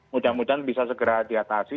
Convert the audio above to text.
mudah mudahan bisa segera diatasi